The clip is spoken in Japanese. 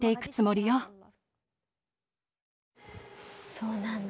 そうなんだ。